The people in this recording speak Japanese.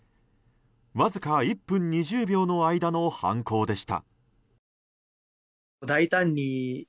わずか１分２０秒の間の犯行でした。